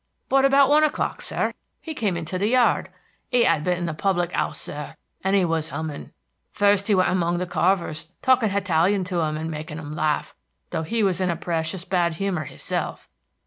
"But about one o'clock, sir, he come in the yard. He 'ad been at the public 'ouse, sir, and he was hummin'. First he went among the carvers, talking Hitalian to 'em and making 'em laugh, though he was in a precious bad humor hisself.